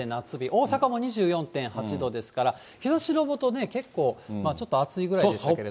大阪も２４．８度ですから、日ざしの下、結構ちょっと暑いぐらいですね。